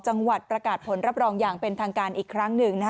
จังหวัดประกาศผลรับรองอย่างเป็นทางการอีกครั้งหนึ่ง